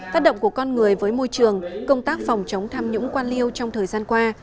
tác động của con người với môi trường công tác phòng chống tham nhũng quan liêu trong thời gian qua